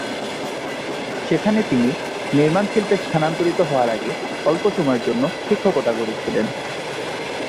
সেখানে তিনি নির্মাণ শিল্পে স্থানান্তরিত হওয়ার আগে অল্প সময়ের জন্য শিক্ষকতা করেছিলেন।